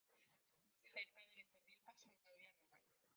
Cerca de Becerril pasaba una vía romana.